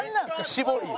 絞り。